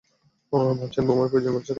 ভাবছেন বোমার প্রয়োজন পড়ছে কেন?